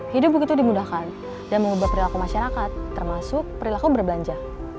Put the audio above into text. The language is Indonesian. hidup begitu dimudahkan dan mengubah perilaku masyarakat termasuk perilaku berbelanja